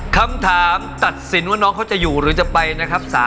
คำถามตัดสินว่าน้องเขาจะอยู่หรือจะไปนะครับ